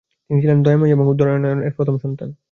তিনি ছিলেন দয়াময়ী এবং উদয়নারায়ন এর প্রথম সন্তান।